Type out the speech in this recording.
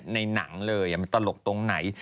ในหนังเลยมันตลกตรงไหน